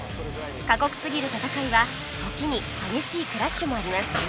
過酷すぎる戦いは時に激しいクラッシュもあります